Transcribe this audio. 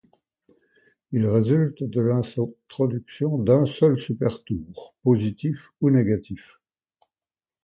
Il résulte de l'introduction d'un seul supertour, positif ou négatif.